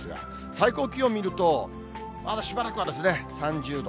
最高気温を見ると、まだしばらくは３０度。